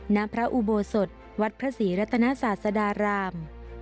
ณพระอุโบสถวัดพระศรีรัตนศาสดาราม